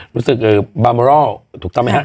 ราชวังบรรเมอร่าลถูกต้องไหมฮะ